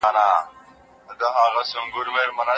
حیات الله په غمجنه لهجه خبرې وکړې.